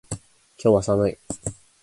今日は寒い。